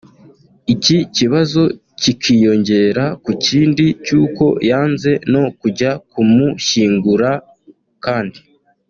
Iki kibazo kikiyongera ku kindi cy’uko yanze no kujya kumushyingura kandi